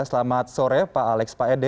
selamat sore pak alex pak ede